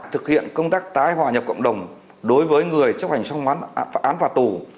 thực hiện công tác tái hòa nhập cộng đồng đối với người chấp hành xong án phạt tù